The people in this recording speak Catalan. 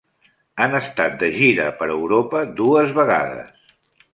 Han estat de gira per Europa dues vegades.